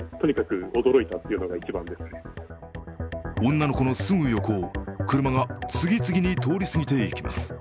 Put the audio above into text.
女の子のすぐ横を車が次々に通り過ぎていきます。